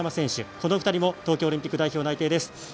この２人も東京オリンピック内定です。